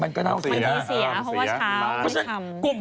มันก็เสียเพราะว่าเช้าไม่ทำ